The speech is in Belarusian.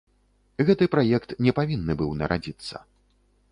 Гэты праект не павінны быў нарадзіцца.